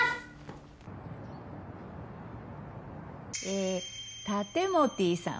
えタテモティさん。